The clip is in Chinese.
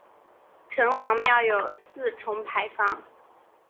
城隍庙有四重牌坊。